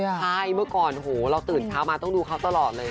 ใช่เมื่อก่อนโหเราตื่นเช้ามาต้องดูเขาตลอดเลย